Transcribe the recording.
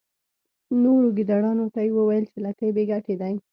نورو ګیدړانو ته یې وویل چې لکۍ بې ګټې دي.